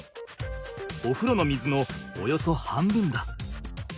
おふろの水のおよそ半分だ。